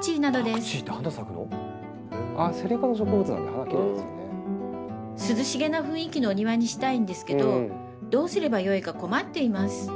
今植えているのは涼しげな雰囲気のお庭にしたいんですけどどうすればよいか困っています。